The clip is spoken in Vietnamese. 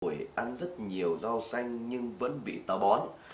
tôi ăn rất nhiều rau xanh nhưng vẫn bị táo bón